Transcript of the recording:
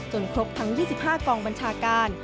ครบทั้ง๒๕กองบัญชาการ